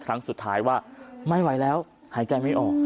ครั้งสุดท้ายว่าไม่ไหวแล้วหายใจไม่ออก